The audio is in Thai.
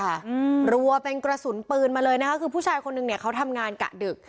อืมรัวเป็นกระสุนปืนมาเลยนะคะคือผู้ชายคนนึงเนี้ยเขาทำงานกะดึก